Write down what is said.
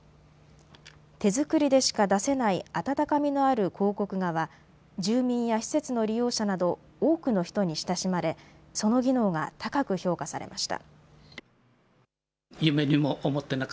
手作りでしか出せない温かみのある広告画は住民や施設の利用者など多くの人に親しまれその技能が高く評価されました。